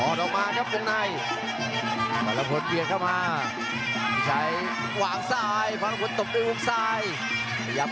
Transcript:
โอ้เอาละครับแต่ทางหน้าพิชัยหวางแข้งได้สวยครับ